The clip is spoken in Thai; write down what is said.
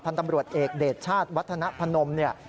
พันธ์ตำรวจเอกเดชชาติวัฒนภนม